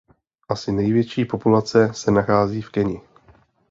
Asi největší populace se nacházejí v Keni.